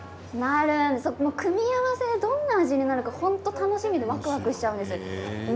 組み合わせでどんな味になるのか楽しみでわくわくしちゃうんです。